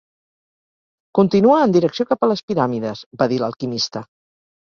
"Continua en direcció cap a les piràmides", va dir l'alquimista.